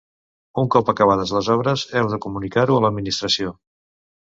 Un cop acabades les obres, heu de comunicar-ho a l'Administració.